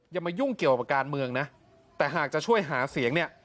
อย่ามายุ่งเกี่ยวกับการเมืองนะแต่หากจะช่วยหาเสียงเนี่ย